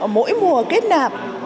mỗi mùa kết nạp